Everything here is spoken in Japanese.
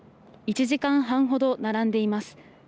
１時間半ほど並んでいます。